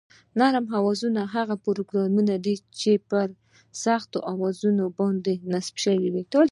نرم اوزار هغه پروګرامونه دي چې پر سخت اوزار باندې نصب شوي